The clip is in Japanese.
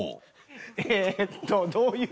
えーっとどういう。